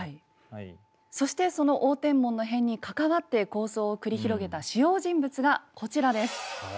そしてその応天門の変に関わって抗争を繰り広げた主要人物がこちらです。